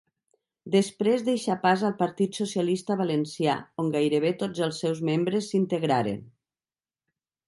Després deixà pas al Partit Socialista Valencià, on gairebé tots els seus membres s'integraren.